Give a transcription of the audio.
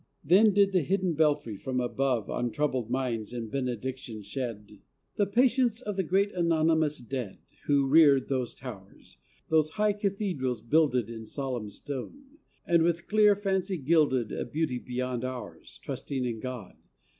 Then did the hidden belfry from above On troubled minds in benediction shed The patience of the great anonymous dead Who reared those towers, those high cathedrals builded In solemn stone, and with clear fancy gilded A beauty beyond ours, trusting in God.